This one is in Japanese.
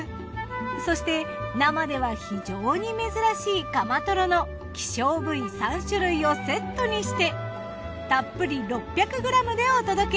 そして生では非常に珍しいカマトロの稀少部位３種類をセットにしてたっぷり６００ｇでお届け。